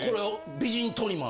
美人トリマー。